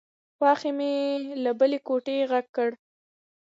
خواښې مې له بلې کوټې غږ کړ.